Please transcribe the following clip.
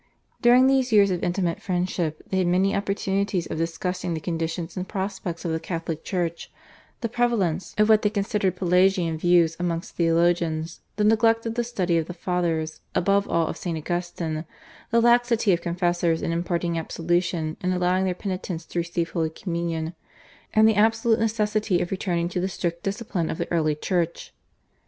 During these years of intimate friendship they had many opportunities of discussing the condition and prospects of the Catholic Church, the prevalence of what they considered Pelagian views amongst theologians, the neglect of the study of the Fathers, above all of St. Augustine, the laxity of confessors in imparting absolution and allowing their penitents to receive Holy Communion, and the absolute necessity of returning to the strict discipline of the early Church.